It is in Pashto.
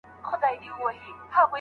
آیا ازادي تر بندیتوب خوندوره ده؟